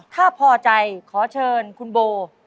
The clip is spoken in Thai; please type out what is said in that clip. ถ้าพอใจขอเชิญคุณโบ